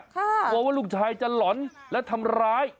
กลัวว่าลูกชายจะหล่อนและทำร้าย